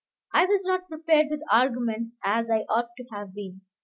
I was not prepared with arguments as I ought to have been.